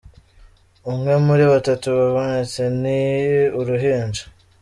Umwe muri batatu babonetse ni uruhinja.